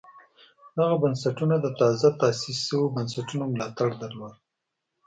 دغه بنسټونه د تازه تاسیس شویو بنسټونو ملاتړ درلود